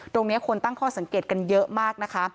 คนตั้งข้อสังเกตกันเยอะมากนะคะ